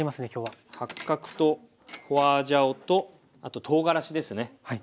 八角と花椒とあととうがらしですね。